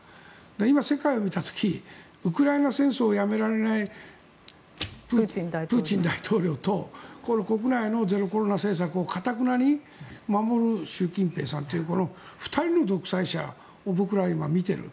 今、世界を見た時ウクライナ戦争をやめられないプーチン大統領と国内のゼロコロナ政策をかたくなに守る習近平さんというこの２人の独裁者を僕らは今、見ている。